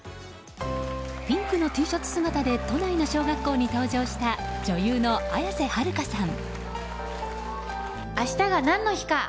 ピンクのＴシャツ姿で都内の小学校に登場した女優の綾瀬はるかさん。